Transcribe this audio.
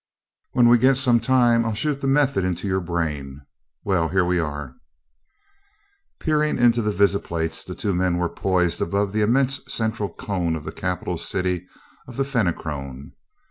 When we get some time I'll shoot the method into your brain. Well, here we are!" Peering into the visiplates, the two men were poised above the immense central cone of the capital city of the Fenachrone.